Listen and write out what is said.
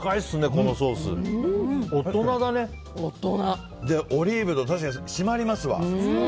このソースオリーブで締まりますわ。